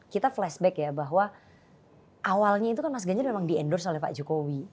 kita flashback ya bahwa awalnya itu kan mas ganjar memang di endorse oleh pak jokowi